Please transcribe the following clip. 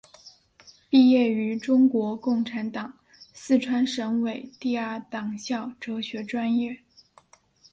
毕业于中国共产党四川省委第二党校哲学专业。